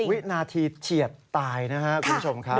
วินาทีเฉียดตายนะครับคุณผู้ชมครับ